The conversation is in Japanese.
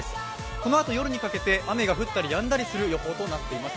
このあと夜にかけて雨が降ったりやんだりする予想となっています。